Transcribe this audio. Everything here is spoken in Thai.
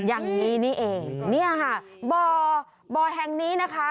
อย่างนี้นี่เองบ่อแห่งนี้นะคะ